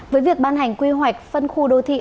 với việc ban hành quy hoạch phân khu đô thị